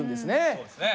そうですね。